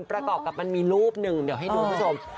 ประกอบกับมันมีรูปหนึ่งเดี๋ยวให้ดูคุณผู้ชม